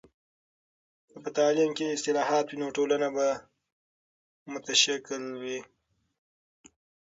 که په تعلیم کې اصلاحات وي، نو ټولنه به متشکل وي.